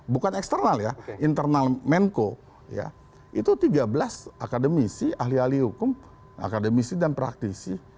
bukan eksternal ya internal menko ya itu tiga belas akademisi ahli ahli hukum akademisi dan praktisi